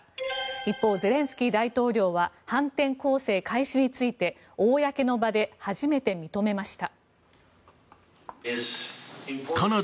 一方、ゼレンスキー大統領は反転攻勢開始について、公の場で初めて認めました。